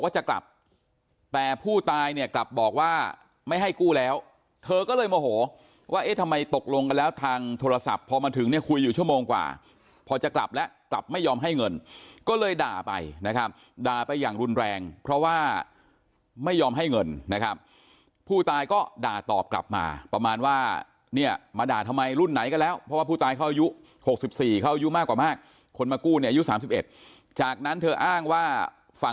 จะกลับแต่ผู้ตายเนี่ยกลับบอกว่าไม่ให้กู้แล้วเธอก็เลยโมโหว่าเอ๊ะทำไมตกลงกันแล้วทางโทรศัพท์พอมาถึงเนี่ยคุยอยู่ชั่วโมงกว่าพอจะกลับแล้วกลับไม่ยอมให้เงินก็เลยด่าไปนะครับด่าไปอย่างรุนแรงเพราะว่าไม่ยอมให้เงินนะครับผู้ตายก็ด่าตอบกลับมาประมาณว่าเนี่ยมาด่าทำไมรุ่นไหนก็แล้วเพราะ